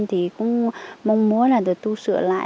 thì cũng mong muốn là được tu sửa lại